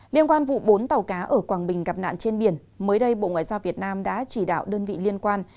liên quan vụ bốn tàu cá ở quảng bình gặp nạn trên biển mới đây bộ ngoại giao việt nam đã chỉ đạo đơn vị liên quan